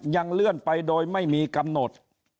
ยังเลื่อนไปโดยไม่มีกำหนด